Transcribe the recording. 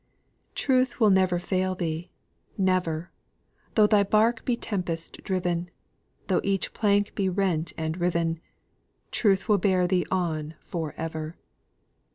"Truth will fail thee never, never! Though thy bark be tempest driven, Though each plank be rent and riven, Truth will bear thee on for ever!"